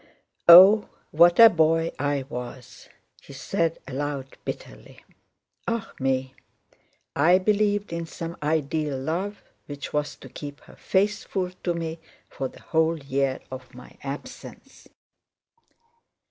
Oh, what a boy I was!" he said aloud bitterly. "Ah me! I believed in some ideal love which was to keep her faithful to me for the whole year of my absence!